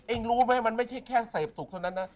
รู้ไหมมันไม่ใช่แค่เสพสุขเท่านั้นนะ